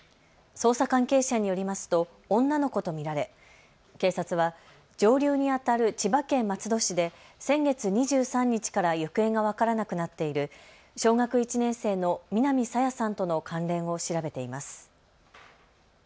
捜査関係者によりますと女の子と見られ警察は上流にあたる千葉県松戸市で先月２３日から行方が分からなくなっている小学１年生の南朝芽さんとの関連を調べています。